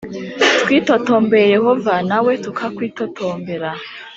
twitotombeye Yehova nawe tukakwitotombera